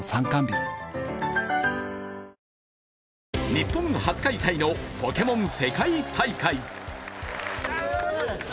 日本初開催のポケモン世界大会。